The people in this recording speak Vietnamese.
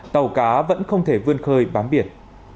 tàu cá vẫn không thể vươn khơi bám biển